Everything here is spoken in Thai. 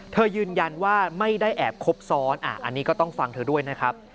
ยืนยันว่าไม่ได้แอบครบซ้อนอันนี้ก็ต้องฟังเธอด้วยนะครับ